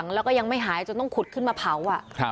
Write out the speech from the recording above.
แล้วก็ยังไม่หายจนต้องขุดขึ้นมาเผา